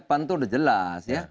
pan itu udah jelas ya